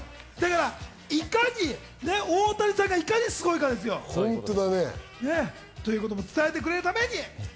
いかに大谷さんがすごいかってことですよ。ということも伝えてくれるために。